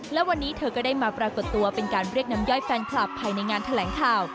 และวันนี้เธอก็ได้มาปรากฏตัวเป็นการเรียกน้ำย่อยแฟนคลับภายในงานแถลงข่าว